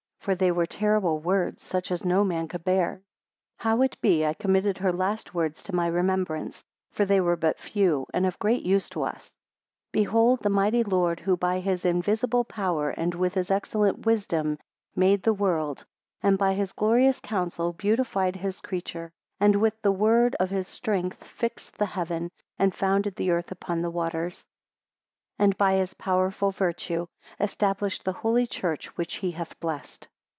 For they were terrible words, such as no man could bear. 27 How it be I committed her last words to my remembrance; for they were but few, and of great use to us: 28 Behold the mighty Lord, who by his invisible power, and with his excellent wisdom made the world, and by his glorious counsel beautified his creature, and with the word of his strength fixed the heaven, and founded the earth upon the waters; and by his powerful virtue established the Holy Church, which he hath blessed.